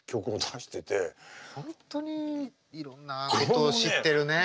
本当にいろんなことを知ってるね。